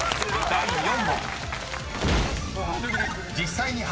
［第４問］